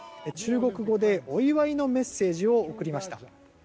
中国語でお祝いのメッセージを送りました。